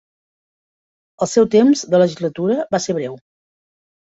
El seu temps de legislatura va ser breu.